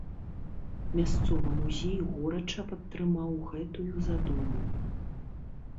Мясцовы музей горача падтрымаў гэтую задуму.